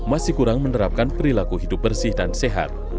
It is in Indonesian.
masih kurang menerapkan perilaku hidup bersih dan sehat